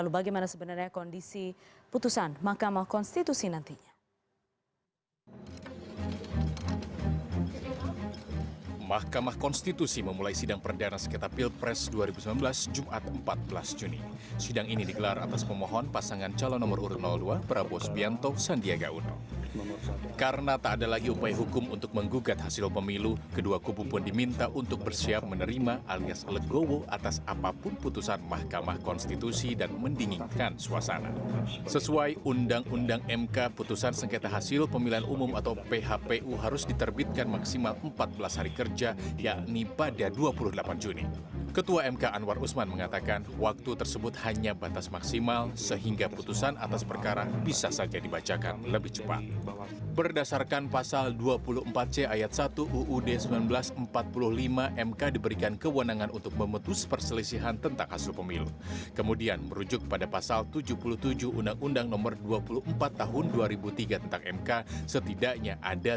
begitu perdebatan perdebatan yang saya kira sangat menarik ya